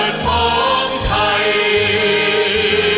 ยอมอาสันก็พระปองเทศพองไทย